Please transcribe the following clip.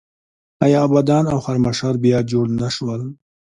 آیا ابادان او خرمشهر بیا جوړ نه شول؟